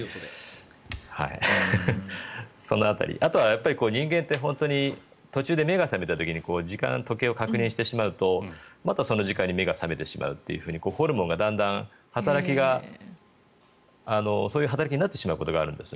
その辺り、あとは人間って途中で目が覚めたあとに時間、時計を確認してしまうとまたその時間に目が覚めてしまうってだんだんホルモンがそういう働きになってしまうことがあるんです。